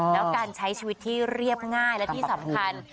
แล้วการใช้ชีวิตที่เรียบง่ายและที่สำคัญ